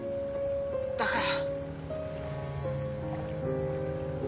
だから。